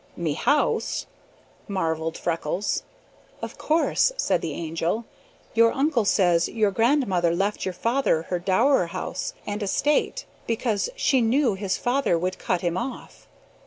"Me house?" marveled Freckles. "Of course," said the Angel. "Your uncle says your grandmother left your father her dower house and estate, because she knew his father would cut him off.